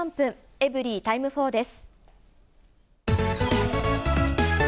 エブリィタイム４です。